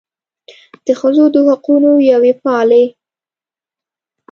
د ښځو د حقونو یوې فعالې